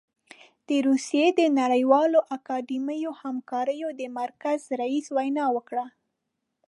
د روسيې د نړیوالو اکاډمیکو همکاریو د مرکز رییس وینا وکړه.